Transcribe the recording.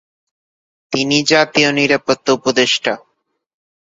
তিনি জাতীয় নিরাপত্তা উপদেষ্টা!